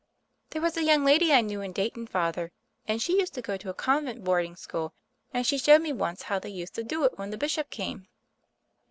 "There was a young lady I knew in Dayton, Father, and she used to go to a convent boarding school, and she showed me once how they used to do it when the Bishop came."